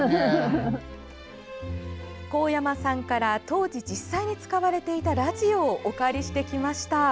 神山さんから当時実際に使われていたラジオをお借りしてきました。